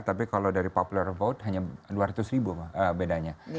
tapi kalau dari popular vote hanya dua ratus ribu bedanya